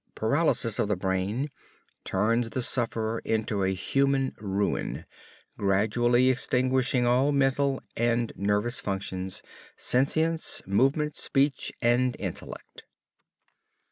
Paralysis of the brain turns the sufferer into a human ruin, gradually extinguishing all mental and nervous functions, sentience, movement, speech and intellect.